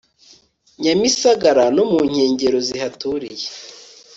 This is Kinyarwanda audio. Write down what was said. nyamisagara no munkengero zihaturiye